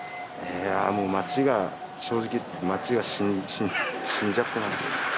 もう町が正直言って町が死んじゃってますよね。